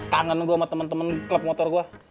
tangan gua sama temen temen klub motor gua